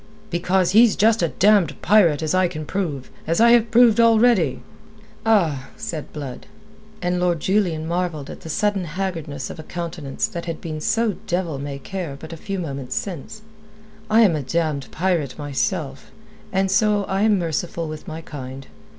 "Because he's just a damned pirate, as I can prove, as I have proved already." "Ah!" said Blood, and Lord Julian marvelled at the sudden haggardness of a countenance that had been so devil may care but a few moments since. "I am a damned pirate, myself; and so I am merciful with my kind.